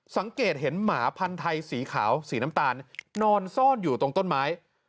สังเกตเห็นหมาพันธัยสีขาวสีน้ำตาลนอนซ่อนอยู่ตรงต้นไม้